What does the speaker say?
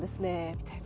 みたいな。